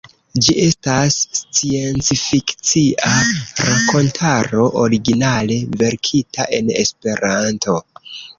Ĝi estas sciencfikcia rakontaro originale verkita en Esperanto.